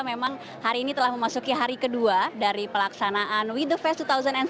memang hari ini telah memasuki hari kedua dari pelaksanaan we the fest dua ribu dua puluh